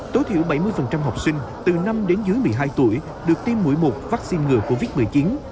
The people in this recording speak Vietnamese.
tối thiểu bảy mươi học sinh từ năm đến dưới một mươi hai tuổi được tiêm mũi một vaccine ngừa covid một mươi chín